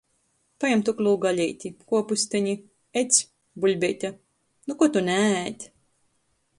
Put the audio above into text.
Pajem tuklū galeiti. Kuopusteni. Edz, buļbeite. Nu kuo tu naēd?